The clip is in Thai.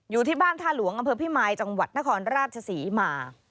อยู่ที่บ้านท่าหลวงอำเภอพิมายจังหวัดนครราชศรีมา